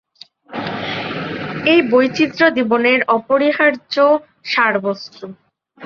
এই বৈচিত্র্য জীবনের অপরিহার্য সারবস্তু।